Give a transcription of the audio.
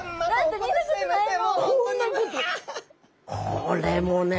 これもね